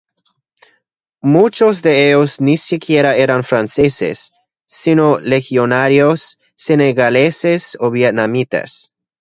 Muchos de ellos ni siquiera eran franceses, sino legionarios, senegaleses o vietnamitas.